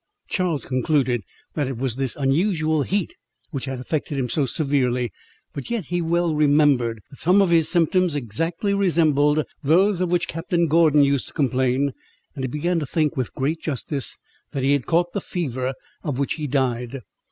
Charles concluded that it was this unusual heat which had affected him so severely; but yet he well remembered that some of his symptoms exactly resembled those of which Captain Gordon used to complain; and he began to think, with great justice, that he had caught the fever of which he died.